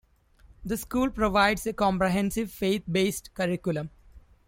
The school provides a comprehensive, faith-based curriculum.